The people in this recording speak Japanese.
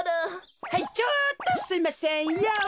はいちょっとすいませんヨー。